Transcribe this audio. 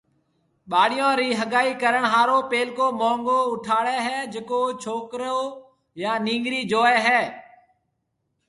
ٻاݪون رِي ھگائِي ڪرڻ ھارو پيلڪو مونگو اُٺاڙيَ ھيَََ جڪو ڇوڪرو يا نيڱرِي جوئيَ ھيَََ